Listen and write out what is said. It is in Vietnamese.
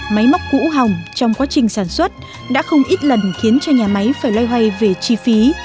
máy móc cũ hỏng trong quá trình sản xuất đã không ít lần khiến cho nhà máy phải loay hoay về chi phí